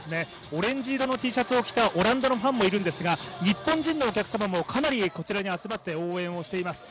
オレンジ色のＴシャツを着たオランダのファンもいるんですが日本人のお客様もかなりこちらに集まって応援をしております。